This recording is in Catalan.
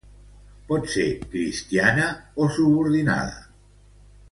Pot ser cristiana o subordinada.